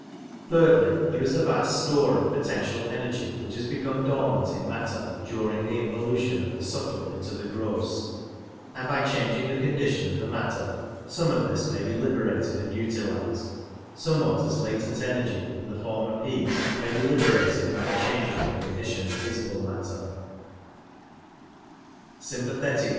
Thirdly, there is a vast EneSy. Store of potential energy which has become dormant in matter during the involution of the subtle into the gross, and by changing the condition of the matter some of this may be liberated and utilized, some what as latent energy in the form of heat may be liberated by a change in the condition of visible matter.